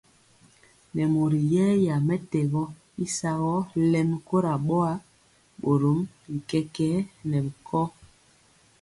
Nɛ mori yɛya mɛtɛgɔ y sagɔ lɛmi kora boa, borom bi kɛkɛɛ nɛ bi kɔ.